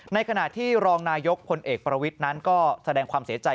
ในขณะที่รองนายกพลเอกประวิทย์นั้นก็แสดงความเสียใจ